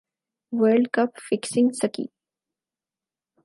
world cup fixing سکی